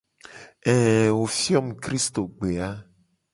Ee wo fio mu kristogbe a.